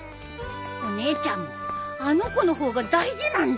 お姉ちゃんもあの子の方が大事なんだ